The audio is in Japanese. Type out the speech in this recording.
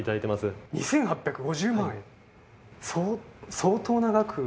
相当な額。